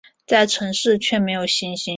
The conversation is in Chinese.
在都市却没有星星